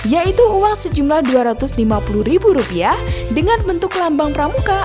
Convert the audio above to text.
yaitu uang sejumlah rp dua ratus lima puluh ribu rupiah dengan bentuk lambang pramuka